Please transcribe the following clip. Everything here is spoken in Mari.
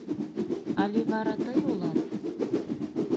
Але вара тый улат?